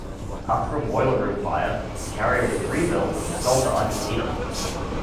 After a boiler room fire, the carrier was rebuilt, and sold to Argentina.